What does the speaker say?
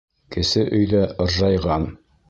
Кесе өйҙә ыржайған.